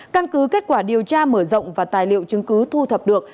căn cứ kết quả điều tra mở rộng và tài liệu chứng cứ thu thập được